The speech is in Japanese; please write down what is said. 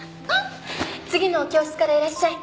次のお教室からいらっしゃい。